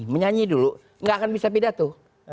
menyanyi dulu nggak akan bisa pidato